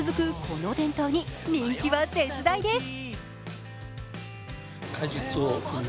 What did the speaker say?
この伝統に、人気は絶大です。